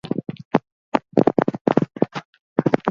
Bere irribarreaz gain, ezer gutxi.